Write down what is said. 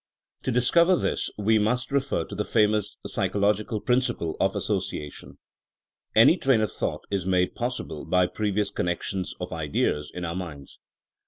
To discover this we must refer to the famous psychological principle of association. Any train of thought is made possible by previous connections of ideas in our minds.